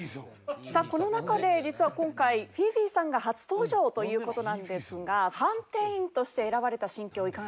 さあこの中で実は今回フィフィさんが初登場という事なんですが判定員として選ばれた心境いかがでしょうか？